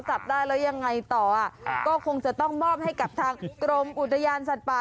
จับได้แล้วยังไงต่ออ่ะก็คงจะต้องมอบให้กับทางกรมอุทยานสัตว์ป่า